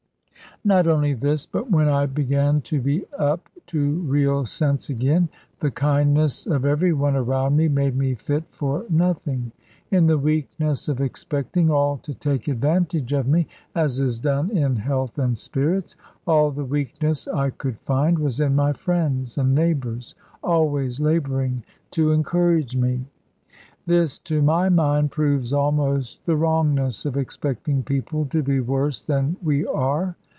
Not only this, but when I began to be up to real sense again, the kindness of every one around me made me fit for nothing. In the weakness of expecting all to take advantage of me (as is done in health and spirits), all the weakness I could find was in my friends and neighbours always labouring to encourage me. This to my mind proves almost the wrongness of expecting people to be worse than we are.